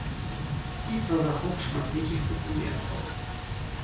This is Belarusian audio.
І пра захоп шматлікіх дакументаў.